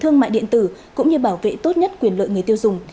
thương mại điện tử cũng như bảo vệ tốt nhất quyền lợi người tiêu dùng